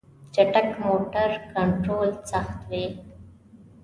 چټک موټر کنټرول سخت وي.